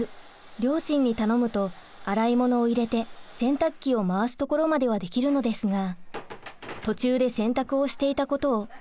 両親に頼むと洗い物を入れて洗濯機を回すところまではできるのですが途中で洗濯をしていたことを忘れてしまいます。